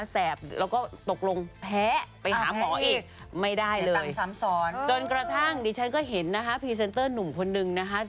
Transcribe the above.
ไปหาหมออีกไม่ได้เลยจนกระทั่งดิฉันก็เห็นนะคะพรีเซนเตอร์หนุ่มคนนึงนะคะ